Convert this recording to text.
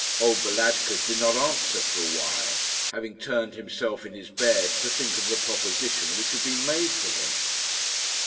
Old Balatka did not answer for a while, having turned himself in his bed to think of the proposition which had been made to him.